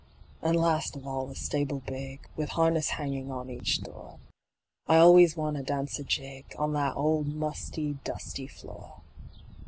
An' last of all the stable big, With harness hanging on each door, I always want to dance a jig On that old musty, dusty floor.